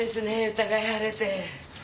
疑い晴れて。